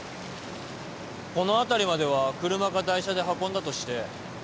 この辺りまでは車か台車で運んだとして。